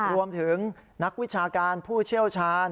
รวมถึงนักวิชาการผู้เชี่ยวชาญ